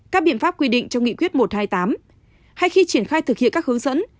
các biện pháp quy định trong nghị quyết một trăm hai mươi tám hay khi triển khai thực hiện các hướng dẫn